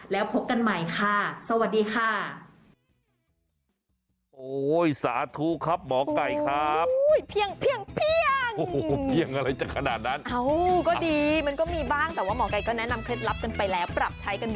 แล้วพบกันใหม่ค่ะสวัสดีค่ะ